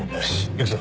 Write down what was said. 行くぞ。